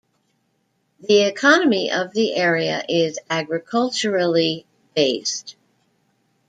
The economy of the area is agriculturally based.